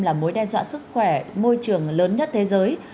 là mối đe dọa sức khỏe môi trường lớn nhất thế giới